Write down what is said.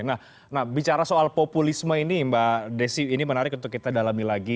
nah bicara soal populisme ini mbak desi ini menarik untuk kita dalami lagi